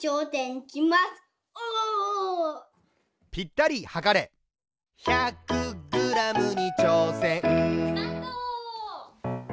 お！スタート！